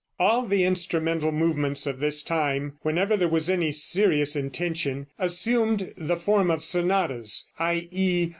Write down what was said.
All the instrumental movements of this time, whenever there was any serious intention, assumed the form of sonatas; _i.e.